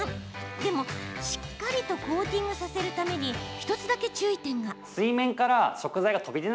でもしっかりとコーティングさせるために１つだけ注意点が。